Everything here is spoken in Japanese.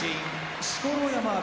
錣山部屋